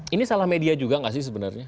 ini salah media juga nggak sih sebenarnya